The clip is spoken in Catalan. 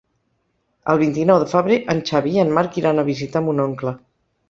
El vint-i-nou de febrer en Xavi i en Marc iran a visitar mon oncle.